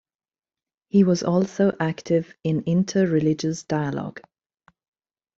He was also active in inter-religious dialogue.